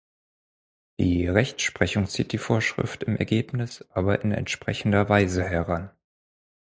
Die Rechtsprechung zieht die Vorschrift im Ergebnis aber in entsprechender Weise heran.